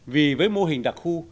vì với mô hình đặc khu